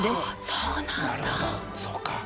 そうか。